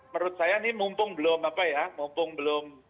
menurut saya ini mumpung belum